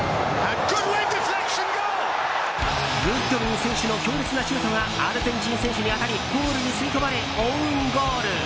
グッドウィン選手の強烈なシュートがアルゼンチン選手に当たりゴールに吸い込まれオウンゴール。